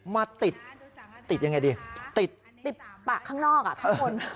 มีควดน้ำเปล่าที่หนักนักเนี้ย